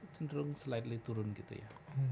cenderung slidely turun gitu ya